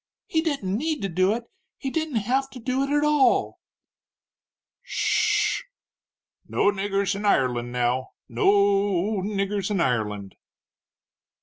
"He didn't need to do it he didn't have to do it, at all!" "Sh h h! No niggers in Ireland, now no o o niggers in Ireland!"